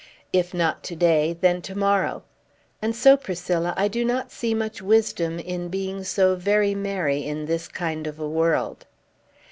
If not to day, then to morrow! And so, Priscilla, I do not see much wisdom in being so very merry in this kind of a world."